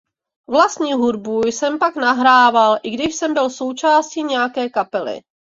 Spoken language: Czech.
Vlastní hudbu jsem pak nahrával i když jsem byl součástí nějaké kapely.